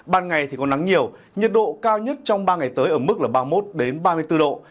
ban ngày thì có nắng nhiều nhiệt độ cao nhất trong ba ngày tới ở mức là ba mươi một ba mươi bốn độ